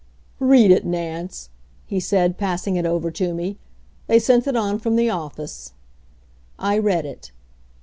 "Read it, Nance," he said, passing it over to me. "They sent it on from the office." I read it.